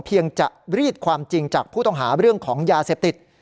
ยังจะรีดความจริงจากผู้ต้องหาเรื่องของยาเสพติด